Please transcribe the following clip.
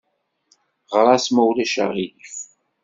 Ɣer-as, ma ulac aɣilif.